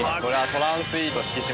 トランスイート四季島。